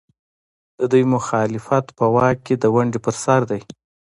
د دوی مخالفت په واک کې د ونډې پر سر دی.